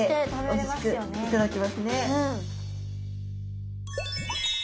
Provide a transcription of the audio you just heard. おいしく頂けますね。